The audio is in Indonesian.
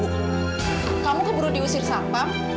kamu keburu diusir sampam